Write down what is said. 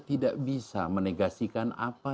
tidak bisa menegasikan apa